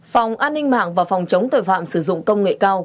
phòng an ninh mạng và phòng chống tội phạm sử dụng công nghệ cao